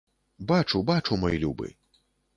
Бачу, бачу, мой любы.